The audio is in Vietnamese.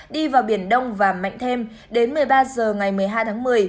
đi vào biển đông và mạnh thêm đến một mươi ba h ngày một mươi hai tháng một mươi